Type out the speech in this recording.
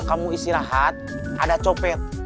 kamu istirahat ada copet